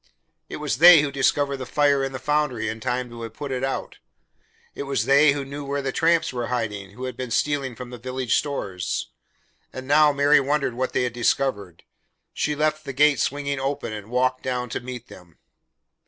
It was they who discovered the fire in the foundry in time to have it put out. It was they who knew where the tramps were hiding who had been stealing from the village stores, and now Mary wondered what they had discovered. She left the gate swinging open and walked down to meet them.